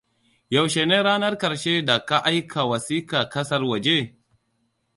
Yaushe ne ranar ƙarshe da ka aika wasiƙa ƙasar waje?